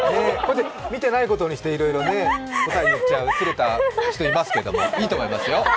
見てないことにして、いろいろ答えを言っちゃう人いますけど、いいと思いますよ。